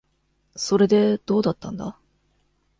それで、どうだったんだ。